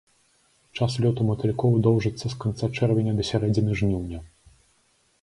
Час лёту матылькоў доўжыцца з канца чэрвеня да сярэдзіны жніўня.